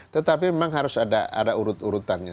tetapi memang harus ada urut urutannya